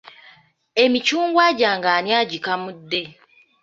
Emicungwa gyange ani agikamudde?